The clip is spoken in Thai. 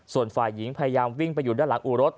ส่วนฝ่ายหญิงพยายามวิ่งไปอยู่ด้านหลังอู่รถ